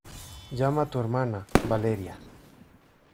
llama a tu hermana. ¡ Valeria!